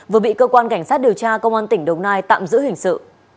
vừa bị cơ quan cảnh sát điều tra công an tỉnh đồng nai tạm giữ hình sự